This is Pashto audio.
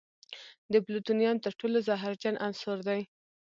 د پلوتونیم تر ټولو زهرجن عنصر دی.